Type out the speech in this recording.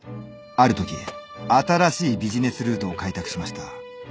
あるとき新しいビジネスルートを開拓しました。